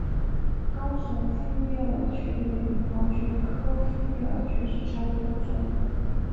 高耸复叶耳蕨为鳞毛蕨科复叶耳蕨属下的一个种。